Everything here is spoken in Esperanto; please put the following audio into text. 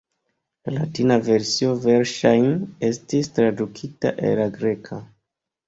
La latina versio verŝajne estis tradukita el la greka.